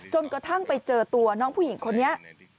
จนกระทั่งไปเจอตัวน้องผู้หญิงคนนี้